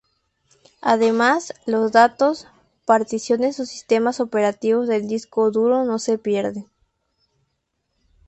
Además, los datos, particiones o sistemas operativos del disco duro no se pierden.